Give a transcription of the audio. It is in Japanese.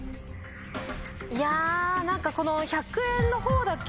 いや何かこの。